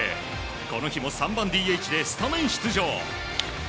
この日も３番ＤＨでスタメン出場。